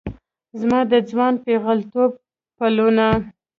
زما د ځوان پیغلتوب پلونه